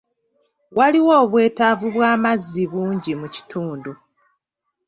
Waliwo obwetaavu bw'amazzi bungi mu kitundu.